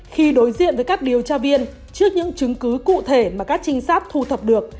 khi đối diện với các điều tra viên trước những chứng cứ cụ thể mà các trinh sát thu thập được